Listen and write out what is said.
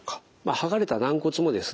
剥がれた軟骨もですね